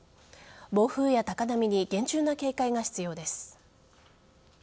暴風や高波に厳重な警戒が必要です。